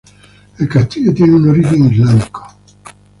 El castillo tiene un origen islámico.